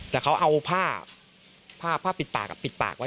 แต่เขาเอาผ้าผ้าปิดปากกับปิดปากไว้